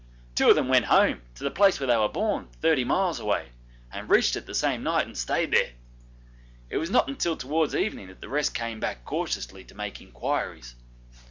Two of them went home, to the place where they were born, thirty miles away, and reached it the same night and stayed there; it was not till towards evening that the rest came back cautiously to make inquiries.